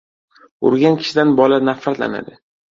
Urgan kishidan bola nafratlanadi.